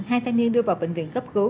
hai thanh niên đưa vào bệnh viện cấp cứu